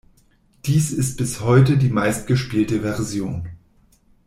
Dies ist bis heute die meistgespielte Version.